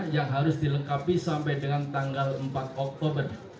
yang harus dilengkapi sampai dengan tanggal empat oktober